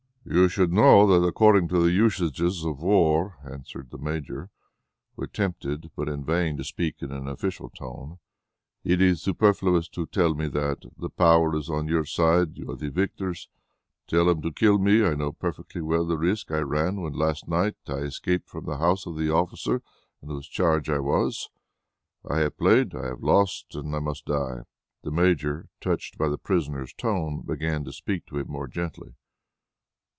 "You should know that according to the usages of war," answered the Major, who attempted, but in vain, to speak in an official tone. "It is superfluous to tell me that. The power is on your side. You are the victors; tell them to kill me. I knew perfectly well the risk I ran when last night I escaped from the house of the officer in whose charge I was. I have played, I have lost, and I must die." The Major, touched by the prisoner's tone, began to speak to him more gently.